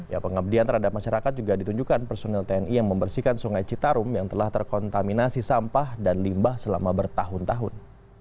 ya pengabdian terhadap masyarakat juga ditunjukkan personil tni yang membersihkan sungai citarum yang telah terkontaminasi sampah dan limbah selama bertahun tahun